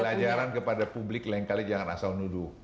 pelajaran kepada publik lain kali jangan asal nuduh